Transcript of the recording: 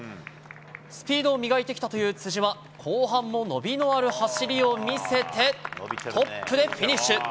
スピードを磨いてきたという辻は、後半も伸びのある走りを見せて、トップでフィニッシュ。